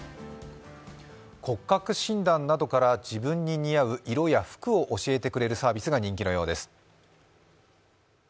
骨格診断などから自分に似合う色や服を教えてくれるサービスが人気のようです。